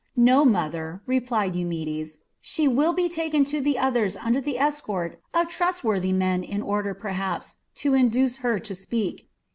"No, mother," replied Eumedes. "She will be taken to the others under the escort of trustworthy men in order, perhaps, to induce her to speak.